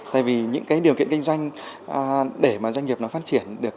tại vì những cái điều kiện kinh doanh để mà doanh nghiệp nó phát triển được